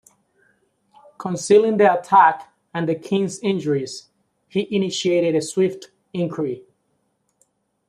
Concealing the attack and the king's injuries, he initiated a swift enquiry.